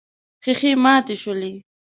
ښيښې ماتې شولې.